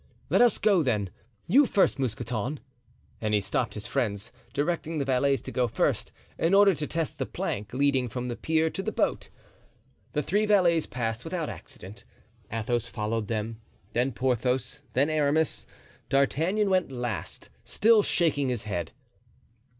"Let us go, then. You first, Mousqueton," and he stopped his friends, directing the valets to go first, in order to test the plank leading from the pier to the boat. The three valets passed without accident. Athos followed them, then Porthos, then Aramis. D'Artagnan went last, still shaking his head.